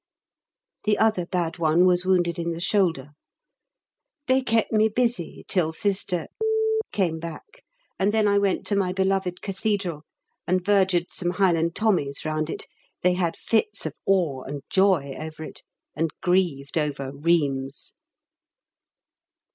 The other bad one was wounded in the shoulder. They kept me busy till Sister came back, and then I went to my beloved Cathedral (and vergered some Highland Tommies round it, they had fits of awe and joy over it, and grieved over "Reems").